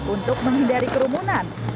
untuk menghindari kerumunan